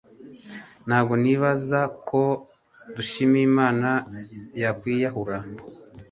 Ntabwo nizera ko Dushyimiyimana yakwiyahura